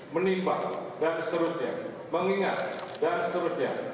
menimpa dan seterusnya mengingat dan seterusnya